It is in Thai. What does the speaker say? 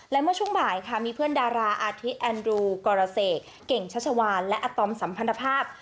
และเมื่อช่วงบ่ายค่ะมีเพื่อนดาราอาทิแอนดรูกรเสกเก่งชัชวานและอาตอมสัมพันธภาพ